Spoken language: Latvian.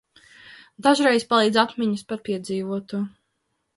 Dažreiz palīdz atmiņas par piedzīvoto.